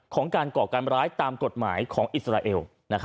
ของการก่อการร้ายตามกฎหมายของอิสราเอล